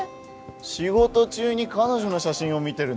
仕事中に彼女の写真を見てるの？